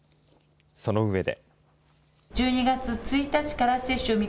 その上で。